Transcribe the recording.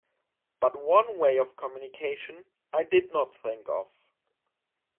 But one way of communication I did not think of.